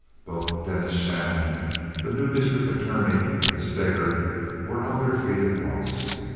Both Dennis Shannon, the new district attorney, and Steger, were on their feet at once.